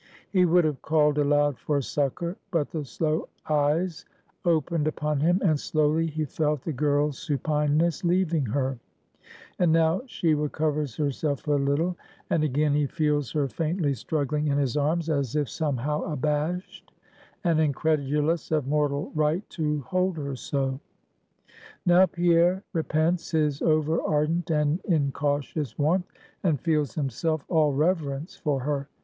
He would have called aloud for succor; but the slow eyes opened upon him; and slowly he felt the girl's supineness leaving her; and now she recovers herself a little, and again he feels her faintly struggling in his arms, as if somehow abashed, and incredulous of mortal right to hold her so. Now Pierre repents his over ardent and incautious warmth, and feels himself all reverence for her.